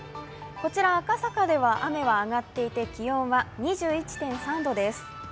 こちら、赤坂では雨は上がっていて気温は２１．３度です。